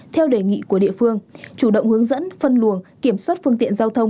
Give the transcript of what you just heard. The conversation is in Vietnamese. theo đề nghị của địa phương chủ động hướng dẫn phân luồng kiểm soát phương tiện giao thông